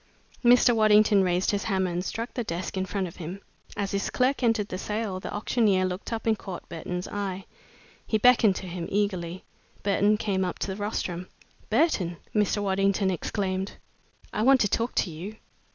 Mr. Waddington raised his hammer and struck the desk in front of him. As his clerk entered the sale, the auctioneer looked up and caught Burton's eye. He beckoned to him eagerly. Burton came up to the rostrum. "Burton," Mr. Waddington exclaimed, "I want to talk to you!